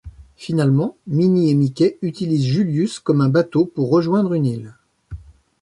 Finalement, Minnie et Mickey utilisent Julius comme un bateau pour rejoindre une île.